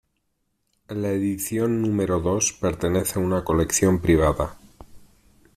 La edición número dos pertenece a una colección privada.